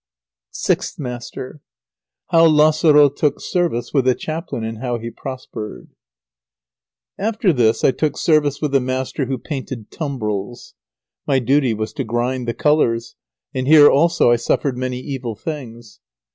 _"] SIXTH MASTER HOW LAZARO TOOK SERVICE WITH A CHAPLAIN AND HOW HE PROSPERED After this I took service with a master who painted tumbrels. My duty was to grind the colours, and here also I suffered many evil things.